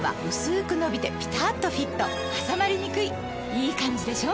いいカンジでしょ？